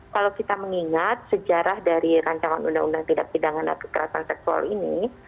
kalau kita mengingat sejarah dari rancangan undang undang tidak pidana kekerasan seksual ini